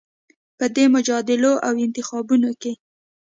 په دې مجادلو او انتخابونو کې